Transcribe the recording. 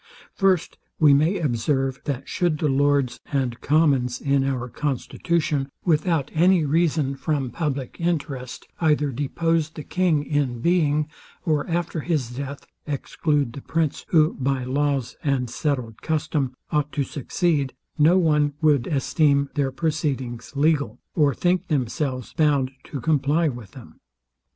First, We may observe, that should the lords and commons in our constitution, without any reason from public interest, either depose the king in being, or after his death exclude the prince, who, by laws and settled custom, ought to succeed, no one would esteem their proceedings legal, or think themselves bound to comply with them.